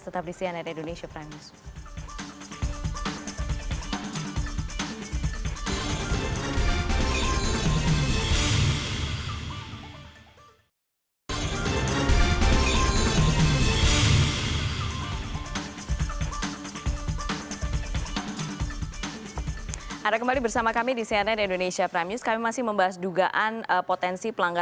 tetap di cnn indonesia prime news